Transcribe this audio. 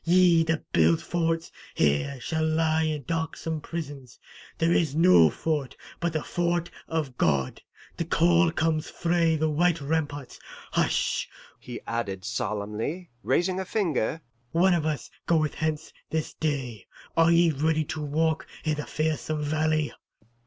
Ye that build forts here shall lie in darksome prisons; there is no fort but the Fort of God. The call comes frae the white ramparts. Hush!' he added solemnly, raising a finger. 'One of us goeth hence this day; are ye ready to walk i' the fearsome valley?